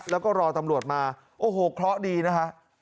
แล้วก็รอตำรวจมาโอ้โหเคราะห์ดีนะฮะ